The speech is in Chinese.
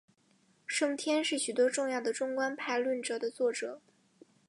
圣天是许多重要的中观派论着的作者。